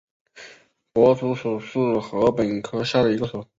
薄竹属是禾本科下的一个属。